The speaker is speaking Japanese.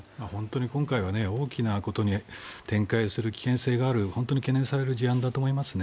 今回は大きなことに展開する危険性がある本当に懸念される事案だと思います。